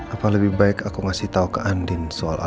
apa lebih baik aku ngasih tahu ke andin soal apa